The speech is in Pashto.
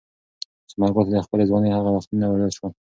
ثمرګل ته د خپلې ځوانۍ هغه وختونه وریاد شول.